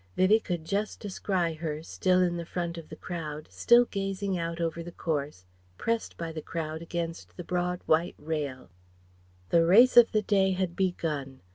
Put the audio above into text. Vivie could just descry her, still in the front of the crowd, still gazing out over the course, pressed by the crowd against the broad white rail. The race of the day had begun.